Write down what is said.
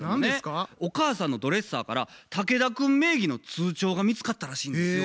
お母さんのドレッサーから竹田くん名義の通帳が見つかったらしいんですよ。